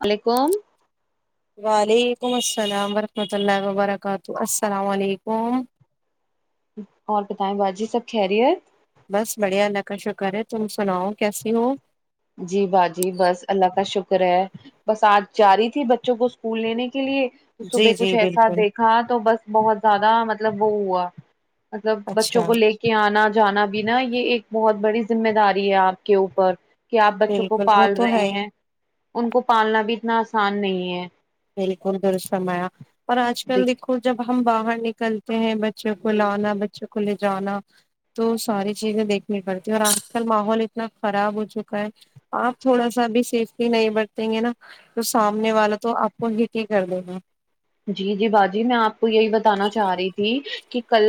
وعلیکم وعلیکم السلام ورحمۃ اللہ وبرکاتہ السلام علیکم اور بتائیں باجی سب خیریت بس بڑھیا اللہ کا شکر ہے تم سناؤ کیسی ہو جی باجی بس اللہ کا شکر ہے بس آج جاری تھی بچوں کو اسکول لینے کے لیے صبح جی کچھ جی ایسا بالکل دیکھ تھا تو بس بہت زیادہ مطلب وہ ہوا مطلب بچوں اچھا کو لے کے کہ آنا جانا بھی نا یہ ایک بہت بڑی ذمہ داری ہے آپ کے اوپر کہ آپ بچوں کو بالکل وہ پال تو رہے ہے ہی ہیں ان کو پالنا بھی اتنا آسان نہیں ہے بالکل درست فرمایا اور آج کل دیک دیکھو جب ہم باہر نکلتے ہیں بچوں کو لانا بچوں کو لے جانا تو ساری چیزیں دیکھنی پڑتی ہے اور آج کل ماحول اتنا خراب ہو چکا ہے آپ تھوڑا سا بھی سیفٹی نہیں برتیں گے نا تو سامنے والا تو آپ [unintelligible] کر دیگا جی جی باجی میں آپ کو یہی بتانا چاہ رہی تھی کہ کل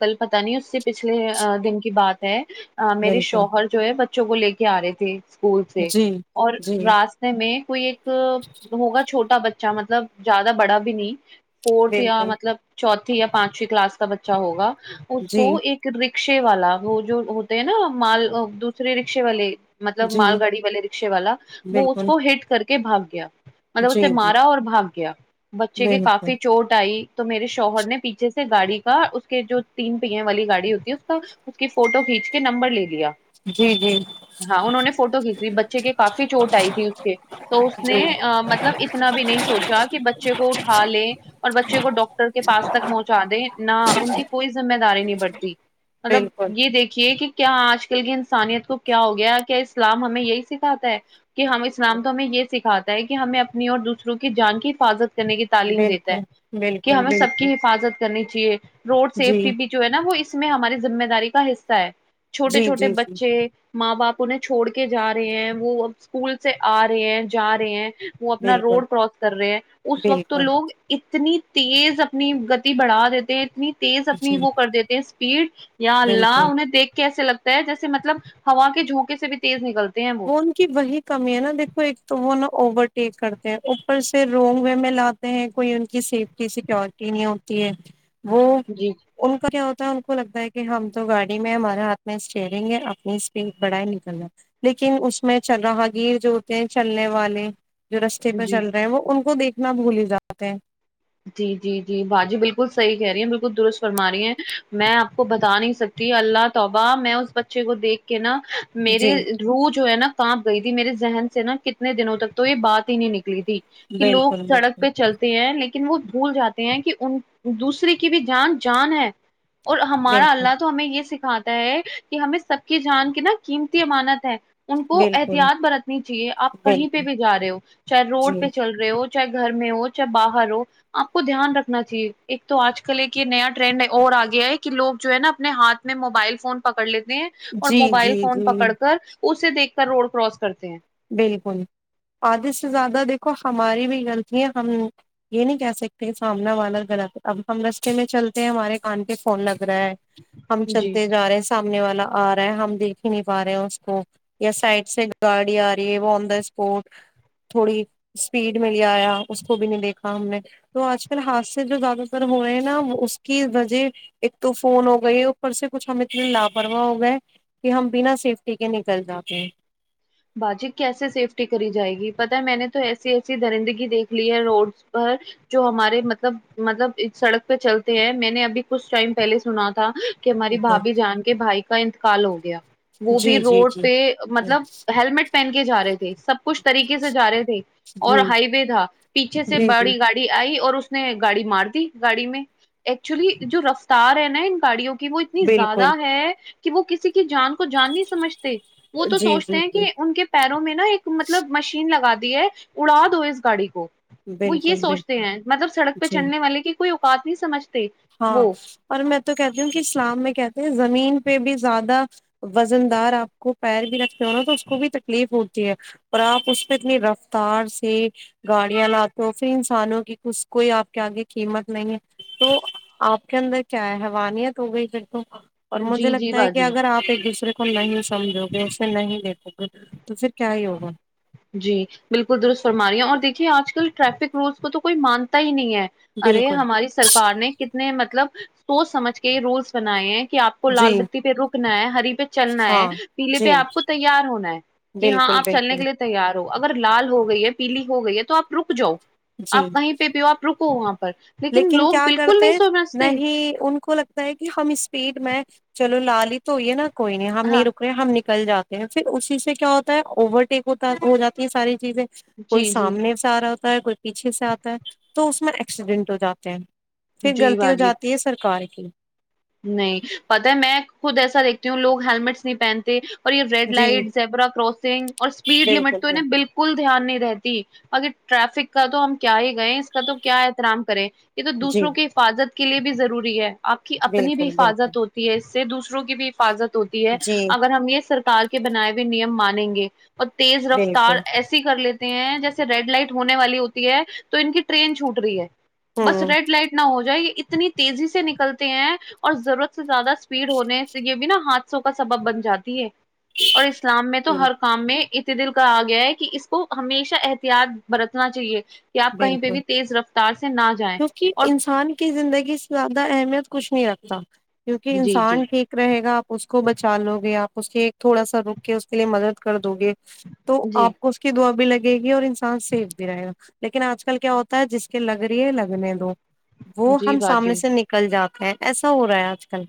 کل پتا نہیں اس سے پچھلے آ دن کی بات ہے آ میرے بالکل شوہر جو ہے بچوں کو لے کے آ رہے تھے اسکول سے جی اور جی راستے میں کوئی ایک ہوگا چھوٹا بچہ مطلب زیادہ بڑا بھی نہیں فورتھ یا بالکل مطلب چوتھی یا پانچویں کلاس کا بچہ ہوگا اس کو جی ایک رکشے والا وہ جو ہوتے ہے نا مال دوسرے رکشے والے مطلب جی مال گاڑی والے رکشے والا وہ اس بالکل کو ہٹ کر کے بھاگ گیا مطلب جی اسے جی مارا اور بھاگ گیا بچے کے بالکل کافی چوٹ آئی تو میرے شوہر نے پیچھے سے گاڑی کا اس کے جو تین پہیہ والی گاڑی ہوتی ہے اس کا اس کی فوٹو کھینچ کے نمبر لے لیا جی جی ہاں انہوں نے فوٹو کھینچ لی بچے کے کافی چوٹ آئی تھی اس کے تو اس نے جی مطلب اتنا بھی نہیں سوچا کہ بچے کو اٹھا لے اور بچے کو ڈاکٹر کے پاس تک پہنچا دے نہ ان کی کوئی ذمہ داری نہیں بڑھتی مطلب بالکل یہ دیکھیے کہ کیا آج کل کی انسانیت کو کیا ہو گیا کیا اسلام ہمیں یہی سکھاتا ہے کہ ہم اسلام تو ہمیں یہ سکھاتا ہے کہ ہمیں اپنی اور دوسروں کی جان کی حفاظت کرنے کی تعلیم دیتا بالکل ہے کہ بالکل ہمیں سب کی بالکل حفاظت کرنی چاہیے روڈ جی سیفٹی بھی جو ہے نا وہ اس میں ہماری ذمہ داری کا حصہ ہے چھوٹے جی چھوٹے جی جی بچے ماں باپ انہیں چھوڑ کے جا رہے ہیں وہ ا اسکول سے آ رہے ہیں جا رہے ہیں وہ اپنا بالکل روڈ کراس کر رہے ہیں اس وقت تو بالکل لوگ اتنی تیز اپنی گتی بڑھا دیتے ہیں اتنی تیز اپنی جی وہ کر دیتے ہیں اس پیڈ یا اللہ بالکل انہیں دیکھ کے ایسے لگتا جیسے مطلب ہوا کے جھونکے سے بھی تیز نکلتے ہیں وہ وہ ان کی وہی کمی ہے نا دیکھو ایک تو وہ نا اوورٹیک کرتے ہیں اوپر سے رونگ وے میں لات کوئی ان کی سیفٹی سیکورٹی نہیں ہوتی ہے وہ جی ان کا کیا ہوتا ہے ان کو لگتا ہے کہ ہم تو گاڑی میں ہمارے ہاتھ میں اسٹرینگ ہے اپنی اسپیڈ بڑائے نکلنا لیکن اس میں چل رہا گیر جو ہوتے ہیں چلنے والے جو رستے پہ جی چل رہے ہیں وہ ان کو دیکھ اتنا بھولی جاتے ہیں جی جی جی با جی بالکل صحیح کہہ رہی ہیں بالکل درست فرما رہی ہیں میں آپ کو بتا نہیں سک جی اللہ توبہ میں اس بچے کو دیکھ کے نا میرے جی روح جو ہے نا کانپ گئی تھی میرے ذہن سے نا کتنے دنوں تک تو یہ بات ہی نہیں نکلی تھی کہ لوگ بالکل سڑک بالکل پہ چل تے ہیں لیکن وہ بھول جاتے ہیں کہ ان دوسرے کی بھی جان جان ہے اور ہمارا بالکل اللہ تو ہمیں یہ سکھاتا ہے کہ ہمیں سب کی جان کی نا قیمتی امانت ہے ان کو بالکل احتیاط برتنی چاہیے آپ کہیں پہ بالکل بھی جا رہے ہو چاہے روڈ جی پہ چل رہے ہو چاہے گھر میں ہو چاہے باہر ہو آپ کو دھیان رکھنا چاہیے ایک تو آج کل ایک یہ نیا ٹرینڈ اور آ گیا ہے کہ لوگ جو ہے نا اپنے ہاتھ میں موبائل فون پکڑ لیتے ہیں اور جی موبائل جی فون جی پکڑ کر اسے دیکھ کر روڈ کراس کرتے ہیں بلکل آدھے سے زیادہ دیکھو ہماری بھی غلطی ہے ہم یہ نہیں کہہ سکتے سامنا والا غلط اب ہم رستے میں چلتے ہیں ہمارے کان پہ فون لگ رہا ہے ہم جی چلتے جا رہے سا منے والا آ رہا ہے ہم دیکھ ہی نہیں پا رہے ہیں اس کو یا سائڈ سے گاڑی آ رہی وہ آن دا اسپوٹ تھوڑی اسپیڈ میں لے آیا اس کو بھی نہیں دیکھا ہم نے تو آج کل حادثے جو زیادہ تر ہو رہے ہیں نا اس کی وجہ ایک تو فون ہو گئی اوپر سے کچھ ہم اتنے لاپروا ہو گئے کہ ہم بنا سیفٹی کے نکل جاتے ہیں باجی کیسے سیفٹی کری جائے گی پتا ہے میں نے تو ایسی ایسی درندگی دیکھ لی ہے روڈس پر جو ہمارے مطلب مطلب سڑک پہ چلتے ہیں میں نے ابھی کچھ ٹائم پہلے سنا تھا کہ ہماری بھابھی جان کے بھائی کا انتقال ہو گیا وہ بھی جی جی روڈ جی پہ جی مطلب ہیللمٹ پہن کے جا رہے تھے سب کچھ طریقے سے جا رہے تھے اور جی ہائی وے تھا پیچھے سے جی بڑی گاڑی آئی اور اس نے گاڑی مار دی گاڑی میں ایکچولی جو رفتار ہے نا ان گاڑیوں کی وہ اتنی بالکل زیادہ ہے کہ وہ کسی کی جان کو جان نہیں سمجھتے وہ تو جی سوچ جی تے جی کہ ان کے پیروں میں نا ایک مطلب مشین لگا دی ہے اڑا دو اس گاڑی کو وہ یہ بالکل سوچتے بالکل ہیں مطلب سڑک پہ جی چلنے والے کی کوئی اوقات نہیں سمجھ ہاں اور میں تو کہتی ہوں کہ اسلام میں کہتے ہیں زمین پہ بھی زیادہ وزن دار آپ کو پیر بھی رکھتے ہو نا تو اس کو بھی تکلیف ہوتی ہے اور آپ اس پہ اتنی رفتار سے گاڑیاں لاتے ہو پھر انسانوں کی ک کوئی آپ کے آگے قیمت نہیں ہے تو آپ کے اندر کیا ہے حیوانیت ہو گئی پھر تو اور مجھے جی جی لگتا ہے کہ باجی اگر آپ ایک دوسرے اس کو نہیں سمجھو گے اسے نہیں دیکھو گے تو پھر کیا ہی ہوگا جی بالکل درست فرمایا اور دیکھیے آج کل ٹریفک رولس کو تو کوئی مانتا ہی نہیں ہے ارے بالکل ہماری سرکار نے کتنے مطلب سوچ سمجھ کے رولس بنائے ہیں کہ آپ کو جی لال بتی پہ روکنا ہے ہری پہ چلنا ہاں ہے پیلے پہ جی آپ کو تیار ہونا ہے کہ ہاں بالکل آپ بل چلنے کے لیے تیار ہو اگر لال ہو گئی ہے پیلی ہو گئی ہے تو آپ رک جاؤ جی آپ وہیں پہ بھی ہو آپ رکو وہاں پر لیکن لوگ کیا بالکل کرتے نہیں سمجھتے نہیں ان کو لگ ٹا ہے کہ ہم اسپیڈ میں چلو لال ہی تو ہوئی ہے نا کوئی نہیں ہم ہاں نہیں رک ہم نکل جاتے ہیں پھر اسی سے کیا ہوتا ہے اوورٹیک ہوتا ہو جاتی ہے ساری چیزیں کوئی جی جی سامنے سے آ رہا ہوتا ہے کوئی پیچھے سے آتا ہے تو اس میں ایکسیڈنٹ ہو جاتے ہیں پھر جی غلطتی ہو باجی جاتی ہے سرکار کی نہیں پتہ ہے میں خود ایسا دیکھتی ہوں لوگ ہیلمٹس نہیں پہنتے ریڈ جی لائٹ زبرا کراسنگ اور اسپیڈ لمٹ بالکل تو انہیں بالکل بال کل دھیان نہیں رہتی اگے ٹریفک کا تو ہم کیا ہی گئے اس کا تو کیا احترام کریں یہ تو جی دوسروں کی حفاظت کے لیے بھی ضروری ہے آپ کی اپنی بھی بالکل بالکل حفاظت ہو تی ہے اس سے دوسروں کی بھی حفاظت ہوتی ہے جی اگر ہم یہ سرکار کے بنائے ہوئے نیم مانیں گے اور تیز رفتار بالکل ایس ے کر لیتے ہیں جیسے ریڈ لائٹ ہونے والی ہوتی ہے تو ان کی ٹرین چھوٹ رہی ہے بس ہوں ریڈ لائٹ نہ ہو جائے یہ اتنی تیزی سے نکلتے ہیں اور ضرورت سے زیادہ اسپیڈ ہونے سے یہ بھی نا حادثوں کا سبب بن جاتی ہے اور اسلام میں تو ہر کام میں ات دل کہا گیا ہے کہ اس کو ہمیشہ احتیاط برتنا چاہیے کہ آپ کہیں پہ بھی تیز رفتار سے نہ جائیں کہ اور انسان کی زندگی سے زیادہ اہمیت کچھ نہیں رکھتا کیونکہ جی انسان جی ٹھیک رہے گا آپ اس کو بچا لو گے آپ اس کی ایک تھوڑا سا روک کے اس کے لیے مدد کر دو گے تو جی آپ کو اس کی دعا بھی لگے گی اور انسان سیف بھی رہے گا لیکن آج کل کیا ہوتا ہے جس کے لگ رہی ہے لگنے دو وہ جی ہم سامنے باجی سے نک کل جاتے ہیں ایسا ہو رہا ہے آج کل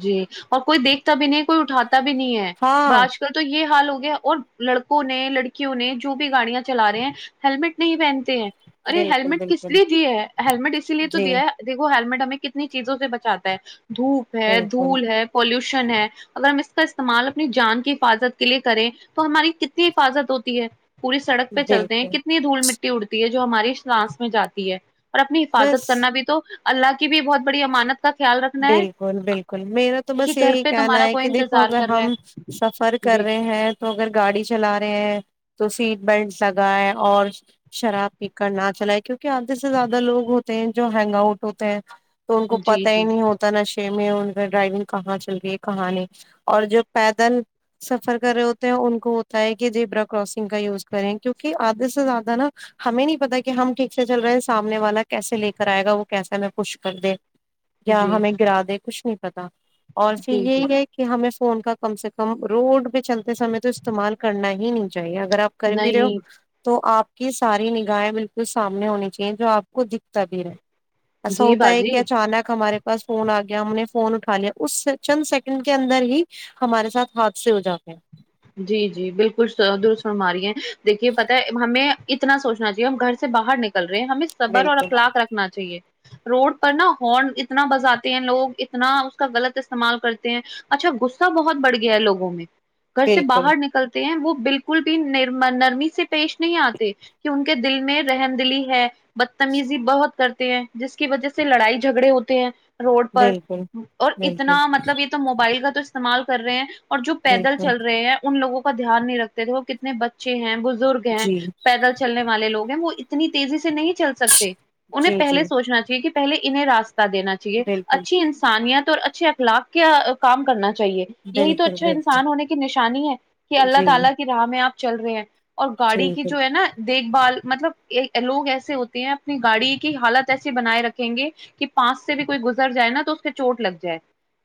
جی اور کوئی دیکھتا بھی نہیں ہے کوئی اٹھاتا بھی نہیں ہے بج ہاں آج کل تو یہ حال ہو گیا اور لڑکوں نے لڑکیوں نے جو بھی گاڑیاں چلا رہے ہیں ہیللمٹ نہیں پہنتے ہیں ارے بالکل ہیللمٹ کس بالکل لیے دیا ہے ہیللمٹ اسی لیے تو جی دیا ہے دیکھو ہیلمیٹ ہمیں کتنی چیزوں سے بچاتا ہے دھوپ ہے بالکل دھول ہے پولوشن ہے اگر ہم اس کا استعمال اپنی جان کی حفاظت کے لیے کریں تو ہماری کتنی حفاظت ہوتی ہے پوری سڑک پہ چلتے ہیں بالکل کتنی دھول مٹی اڑتی ہے جو ہماری سانس میں جاتی ہے اور اپنی حفاظت بس کرنا بھی تو اللہ کی بھی بہت بڑی امانت کا خیال رکھنا ہے بکل بالکل میرا تو کہ بس گھر یہی پہ کہنا تمہارا ہے کوئی کہ دیکھو انتظار اگر کر رہا ہم سفر ہے کر جی رہے ہیں تو اگر گاڑی چلا رہے ہیں تو سیٹ بیلٹ لگائے اور شراب پی کر نہ چلائے کیونکہ آدھے سے زیادہ لوگ ہوتے ہیں جو ہینگ آؤٹ ہوتے ہیں تو ان کو جی پتہ ہی جی نی ہوتا نشے میں ان کا ڈرائیونگ کہاں چل رہی ہے کہاں نہیں اور جو پیدل سفر کر رہے ہوتے ہیں ان کو ہوتا ہے کہ جبرا کراسنگ کا یوز کریں کیونکہ آدھے سے زیادہ نا ہمیں نہیں پتا کہ ہم ٹھیک سے چل رہے ہیں سامنے والا کیسے لے کر آئے گا وہ کیسا میں کچھ کر دے یا جی ہمیں گرا دے کچھ نہیں پتا اور پھر جی یہی جی ہے کہ ہمیں فون کا کم سے کم روڈ پہ چلتے سمے تو استعمال کرنا ہی نہیں چاہیے اگر آپ کر بھی رہے ہو نہیں تو آپ کی ساری نگاہیں بالکل سامنے ہونی چاہیے جو آپ کو دکھتا بھی رہے ایسا جی ہوتا ہے کہ باجی اچانک ہمارے پاس فون آ گیا ہم نے فون اٹھا لیا اس چند سیکنڈ کے اندر ہی ہمارے ساتھ ہاتھ سے ہو جاتے ہیں جی جی بالکل درست فرما رہی ہیں دیکھیے پتہ ہے ہمیں اتنا سوچنا چاہیے ہم گھر سے باہر نکل رہے ہیں ہمیں صبر اور بالکل اخلاق رکھنا چاہیے روڈ پر نا ہارن اتنا بجاتے ہیں لوگ اتنا اس کا غلط استعمال کرتے ہیں اچھا غصہ بہت بڑھ گیا ہے لوگوں میں گھر سے بالکل باہر نکل تے ہے وہ بالکل بھی نر نرمی سے پیش نہیں آتے کہ ان کے دل میں رہم دلی ہے بدتمیزی بہت کرتے ہیں جس کی وجہ سے لڑائی جھگڑے ہوتے ہیں روڈ پر بالکل اور اتنا بالکل مطلب یہ تو موبائل کا تو استعمال کر رہے ہیں اور جو پیدل بالکل چل ہیں ان لوگوں کا دھیان نہیں رکھتے تھے وہ کتنے بچھے ہیں بزرگ ہیں جی پیدل چل چلنے والے لوگ ہیں وہ اتنی تیزی سے نہیں چل سکتے انہیں جی جی پہلے سوچنا چاہے کہ پہے انہیں راستہ دینا چاہیے بالکل اچھی انس انسانیت اور اچھے اخلاق کا کام کرنا چاہیے یہی تو بالکل اچھا انسان بالکل ہونے نشانی ہے کہ اللہ جی تعالی کی راہ میں آپ چل رہے ہیں اور جی گاڑی کی بالکل جو ہے نا دیکھ بھال مطلب لوگ ایسے ہوتے ہیں اپنی گاڑی کی حالت ایسی بنائے رکھیں گے کہ پانس سے بھی کوئی گزر جائے نا تو اس کے چوٹ لگ جائے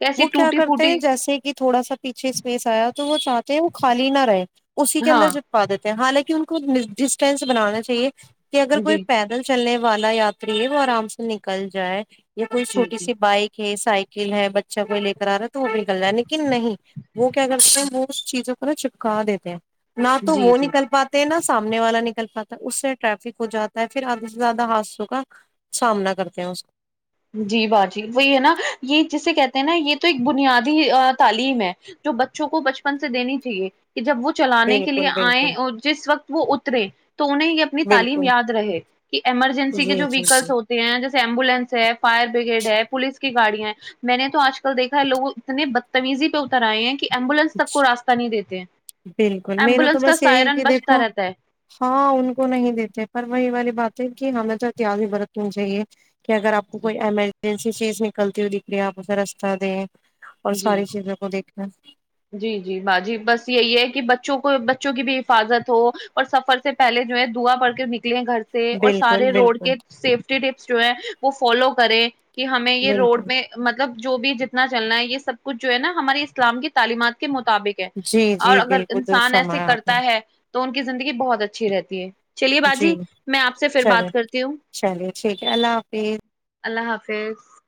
ایسی وہ کیا ٹوٹی کرتے ہیں پھوٹی جیسے کہ تھوڑا سا پیچھے اسپیس آیا تو وہ چاہتے ہیں وہ خالی نہ رہے اسی کے ہاں اندر سے چھوپا دیتے ہیں حالانکہ ان کو ڈسٹینس بنانا چاہیے کہ اگر کوئی جی پیدل چلنے والا یاتری ہے وہ آرام سے نکل جائے یا کوئی جی چھوٹی جی سی بائک کہ سائیکل ہے بچہ کوئی لے کر آ رہا ہے تو وہ نکل جائے لیکن نہیں وہ کیا کرتے ہیں وہ چیزوں کو نا چپکا دیتے ہیں نہ تو جی وہ جی نکل پات تے سامنے والا نکل پاتا ہے اس سے ٹریفک ہو جاتا ہے پھر آدھے سے زیادہ حادثوں کا سامنا کرتے ہیں اس جی با جی وہی ہے نا یہ جسے کہتے ہیں نا یہ تو ایک بنیادی تعلیم ہے جو بچوں کو بچپن سے دینی چاہیے کہ جب وہ چلانے کے لیے بالکل آئے بالکل اور جس وقت وہ اترے تو انہیں ہی اپنی تعلیم بالکل یاد رہے کہ ایمرجنسی کے جی جو جی جی ویکلس ہوتے ہیں جیسے ایمبولینس ہے فائر بریگیڈ ہے پولیس کی گاڑیاں میں نے تو آج کل دیکھا ہے لوگ اتنے بدتمیزی پہ اتر آئے ہیں کہ ایمبولینس تک کو راستہ نہیں دیتے بالکل میرا تو ایمبولینس کا بس یہی ہے سائرن کہ بچتا دیکھو رہتا ہے ہاں ان کو نہیں دیتے پر وہی والی بات ہے کہ ہمیں تو اتیادی برتنی چاہیے کہ اگر آپ کو جی کوئی ایمرجنسی چیز نکلتی ہوئی دکھے آپ اسے رستہ دیں اور جی ساری چیزوں کو دیکھنا جی جی باجی بس یہی ہے کہ بچوں کو بچوں کی بھی حفاظت ہو اور سفر سے پہلے جو ہے دعا پڑھ کے نکلے گھر سے اور سارے بالکل روڈ بالکل کے سیفٹی ٹپس جو ہے وہ فالو کرے کہ ہمیں یہ روڈ بالکل میں مطلب جو بھی جتنا چلنا ہے یہ سب کچھ جو ہے نا ہمارے اسلام کی تعلیمات کے مطابق جی اور جی اگر بالکل درست انسان ایسے فرمایا آپ نے کرتا ہے تو ان کی زندگی بہت اچھی رہتی ہے چلیے جی باجی میں آپ سے پھر چلے بات کرتی ہوں چلیے ٹھیک ہے اللہ حافظ اللہ حافظ